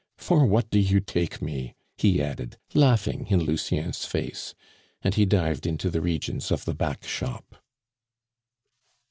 "For what do you take me?" he added, laughing in Lucien's face. And he dived into the regions of the back shop.